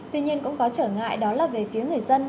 tuy nhiên cũng có trở ngại đó là về phía người dân